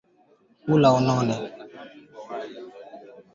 Mi na kupenda sana wangu